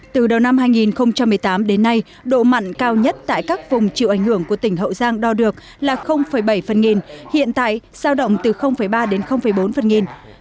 từ đầu năm hai nghìn một mươi tám đến nay độ mặn cao nhất tại các vùng chịu ảnh hưởng của tỉnh hậu giang đo được là bảy phần nghìn hiện tại sao động từ ba đến bốn phần nghìn